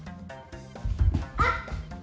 あっ！